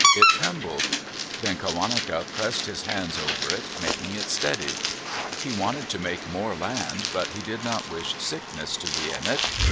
It trembled. Then Qawaneca pressed his hands over it, making it steady. He wanted to make more land but he did not wish sickness to be in it.